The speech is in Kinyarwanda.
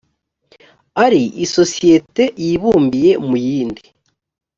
ari isosiyete yibumbiye mu yindi